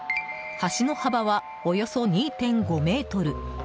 橋の幅は、およそ２．５ｍ。